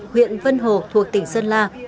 huyện vân hồ thuộc tỉnh sơn la